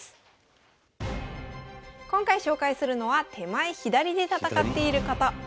今回紹介するのは手前左で戦っている方。